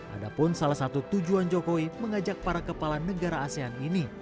ada pun salah satu tujuan jokowi mengajak para kepala negara asean ini